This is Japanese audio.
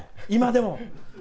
今でも！